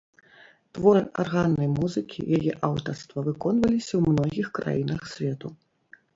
Творы арганнай музыкі яе аўтарства выконваліся ў многіх краінах свету.